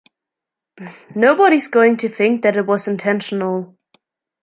Nobody's going to think that it was intentional.